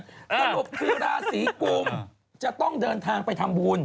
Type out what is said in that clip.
สรุปคือราศีกุมจะต้องเดินทางไปทำบุญ